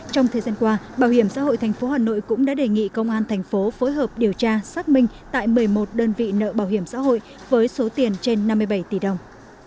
trong thời gian qua bảo hiểm xã hội tp hà nội cũng đã đề nghị công an thành phố phối hợp điều tra xác minh tại một mươi một đơn vị nợ bảo hiểm xã hội với số tiền trên năm mươi bảy tỷ đồng